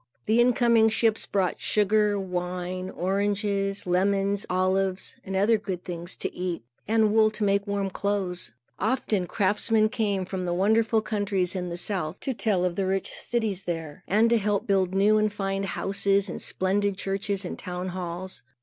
The incoming ships brought sugar, wine, oranges, lemons, olives and other good things to eat, and wool to make warm clothes. Often craftsmen came from the wonderful countries in the south to tell of the rich cities there, and help to build new and fine houses, and splendid churches, and town halls.